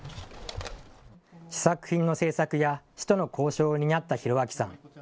試作品の製作や市との交渉を担った広彰さん。